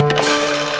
terima kasih kang